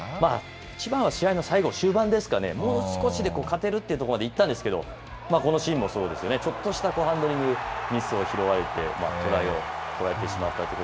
一番は試合の最後、終盤ですかね、もう少しで勝てるっていうところまでいったんですけど、このシーンもそうですよね、ちょっとしたハンドリング、ミスを拾われて、トライを取られてしまったという。